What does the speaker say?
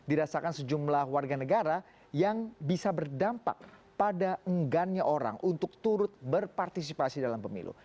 dirasakan sejumlah warga negara yang bisa berdampak pada enggannya orang untuk turut berpartisipasi dalam pemilu